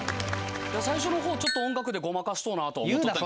最初の方ちょっと音楽でごまかしとうなと思っとったけど。